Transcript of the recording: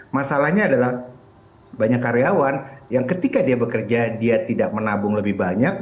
masalahnya adalah banyak karyawan yang ketika dia bekerja dia tidak menabung lebih banyak